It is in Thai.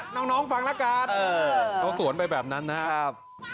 น้องฟังละกัดเออเอาศูนย์ไปแบบนั้นนะครับรับ